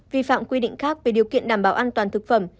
vi phạm quy định khác về điều kiện đảm bảo an toàn thực phẩm